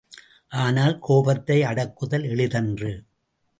ஆனால் கோபத்தை அடக்குதல் எளிதன்று!